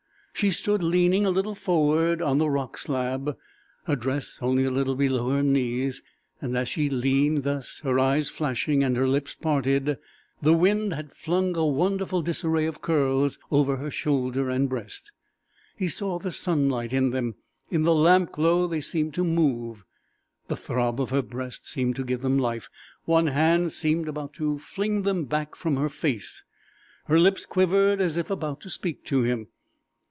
She stood leaning a little forward on the rock slab, her dress only a little below her knees, and as she leaned thus, her eyes flashing and her lips parted, the wind had flung a wonderful disarray of curls over her shoulder and breast. He saw the sunlight in them; in the lampglow they seemed to move; the throb of her breast seemed to give them life; one hand seemed about to fling them back from her face; her lips quivered as if about to speak to him.